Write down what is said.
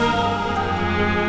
terus berutangku sayang